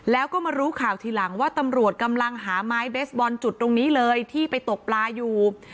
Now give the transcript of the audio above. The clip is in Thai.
แล้วก็มารู้ข่าวทีหลังว่าตำรวจกำลังหาไม้เบสบอลจุดตรงนี้เลยที่ไปตกปลาอยู่